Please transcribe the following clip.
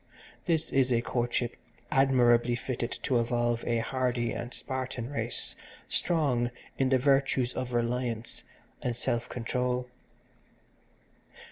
This is a courtship admirably fitted to evolve a hardy and Spartan race strong in the virtues of reliance and self control.